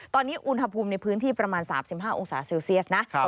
ตอนนี้อุณหภูมิในพื้นที่ประมาณ๓๕องศาเซลเซียสนะ